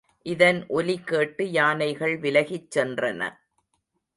இதன் ஒலி கேட்டு யானைகள் விலகிச் சென்றன.